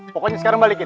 pokoknya sekarang balikin